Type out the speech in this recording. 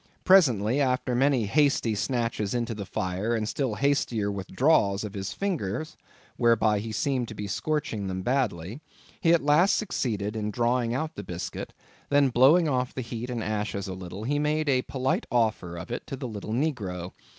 Presently, after many hasty snatches into the fire, and still hastier withdrawals of his fingers (whereby he seemed to be scorching them badly), he at last succeeded in drawing out the biscuit; then blowing off the heat and ashes a little, he made a polite offer of it to the little negro.